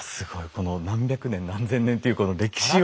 この何百年何千年っていうこの歴史を。